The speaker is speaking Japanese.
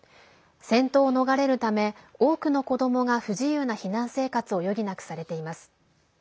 戦闘を逃れるため多くの子どもが不自由な避難生活を余儀なくされています。